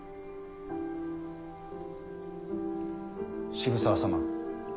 渋沢様